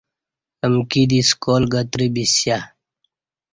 امکی دی سکال گترہ بیسیہ